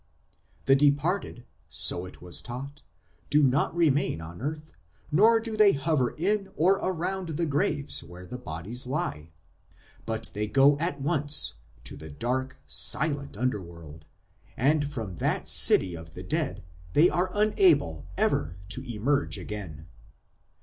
The departed, so it was taught, do not remain on earth, nor do they hover in or around the graves where their bodies lie ; but they go at once to the dark, silent underworld, and from that city of the dead they are unable ever to emerge again.